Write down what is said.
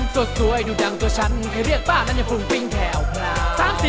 สวยดูดังตัวฉันใครเรียกบ้านั้นอย่างฟุ่งปิ้งแถวพลาด